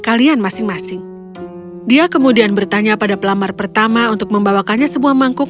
kalian masing masing dia kemudian bertanya pada pelamar pertama untuk membawakannya sebuah mangkuk